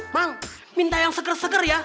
mang minta yang seger seger ya